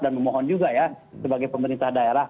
dan memohon juga ya sebagai pemerintah daerah